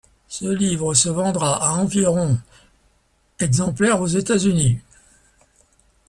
Ce live se vendra à environ exemplaires aux États-Unis.